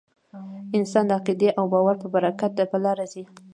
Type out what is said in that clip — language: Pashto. انسان د عقیدې او باور په برکت په لاره ځي.